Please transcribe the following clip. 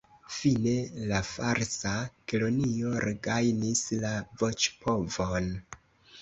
Fine la Falsa Kelonio regajnis la voĉpovon.